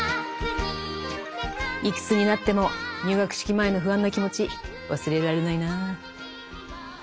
いくつになっても入学式前の不安な気持ち忘れられないなぁ。